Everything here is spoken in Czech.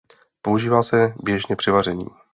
Používá se běžně při vaření.